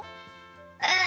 うん！